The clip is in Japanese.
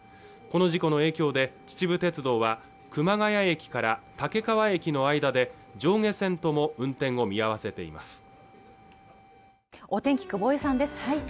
この事故の影響で秩父鉄道は熊谷駅から武川駅の間で上下線とも運転を見合わせています